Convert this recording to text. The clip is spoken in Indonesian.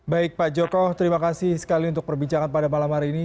baik pak joko terima kasih sekali untuk perbincangan pada malam hari ini